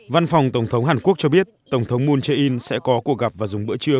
văn phòng tổng thống hàn quốc cho biết tổng thống moon jae in sẽ có cuộc gặp và dùng bữa trưa